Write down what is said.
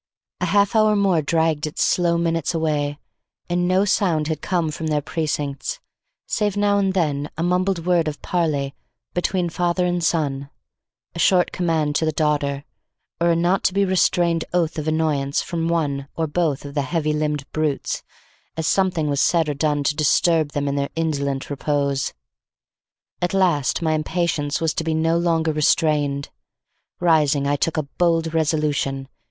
A half hour more dragged its slow minutes away, and no sound had come from their precincts save now and then a mumbled word of parley between the father and son, a short command to the daughter, or a not to be restrained oath of annoyance from one or both of the heavy limbed brutes as something was said or done to disturb them in their indolent repose. At last my impatience was to be no longer restrained. Rising, I took a bold resolution.